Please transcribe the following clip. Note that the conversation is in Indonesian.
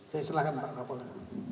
saya silahkan pak kapolda